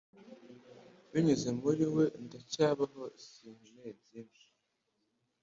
binyuze muri we ndacyabaho Sinkeneye byinshi